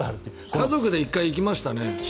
家族で１回行きました。